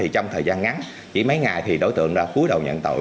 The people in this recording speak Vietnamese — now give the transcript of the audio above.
trong thời gian ngắn chỉ mấy ngày thì đối tượng ra cuối đầu nhận tội